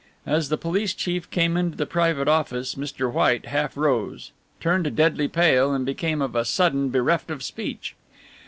As the police chief came into the private office Mr. White half rose, turned deadly pale and became of a sudden bereft of speech.